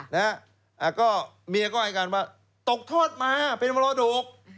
แล้วก็เมียก็ให้การว่าตกทอดมาเป็นมรดก